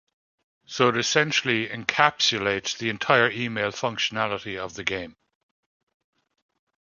So it essentially encapsulates the entire Email functionality of the game.